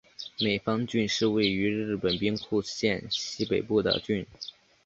美方郡是位于日本兵库县西北部的郡。